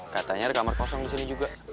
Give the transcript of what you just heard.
katanya ada kamar kosong disini juga